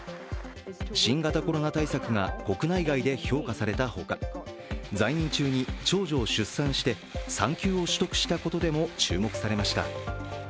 新型コロナ対策が国内外で評価されたほか在任中に長女を出産して、産休を取得したことでも注目されました。